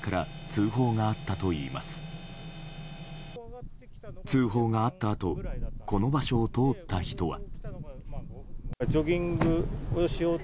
通報があったあとこの場所を通った人は。